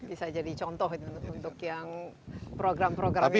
bisa jadi contoh untuk yang program program ini